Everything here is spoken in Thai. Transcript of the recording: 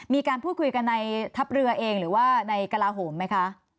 มีการพูดคุยในทัพเรือเองหรือกราโหมไหมคะ